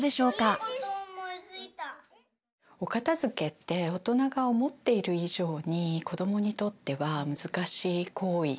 お片づけって大人が思っている以上に子どもにとっては難しい行為なんですよね。